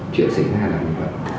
chuyện xảy ra là như vậy